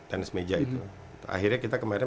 tenis meja itu akhirnya kita kemarin